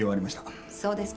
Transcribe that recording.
そうですか。